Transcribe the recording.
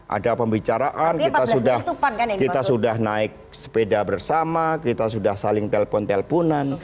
ada pembicaraan kita sudah naik sepeda bersama kita sudah saling telpon telponan